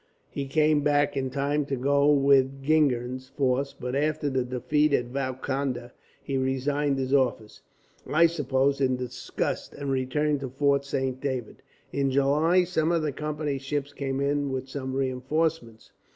He came back in time to go with Gingen's force; but after the defeat of Valkonda he resigned his office, I suppose in disgust, and returned to Fort Saint David. In July, some of the Company's ships came in with some reinforcements.